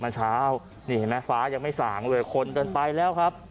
มันเช้านี่เห็นไหมฟ้ายังไม่สางเลยคนเดินไปแล้วครับ